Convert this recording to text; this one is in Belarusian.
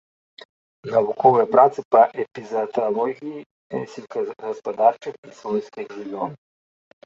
Навуковыя працы па эпізааталогіі сельскагаспадарчых і свойскіх жывёл.